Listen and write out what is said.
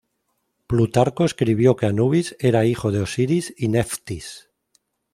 Plutarco escribió que Anubis era hijo de Osiris y Neftis.